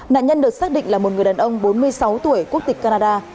nạn nhân được xác định là một người đàn ông bốn mươi sáu tuổi quốc tịch canada